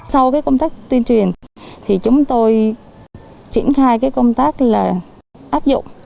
sau cái công tác tuyên truyền thì chúng tôi triển khai cái công tác là áp dụng